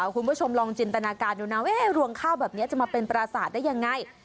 คุณผู้ชมลองจินตนาการดูนะรวงข้าวแบบนี้จะมาเป็นปราสาทได้ยังไง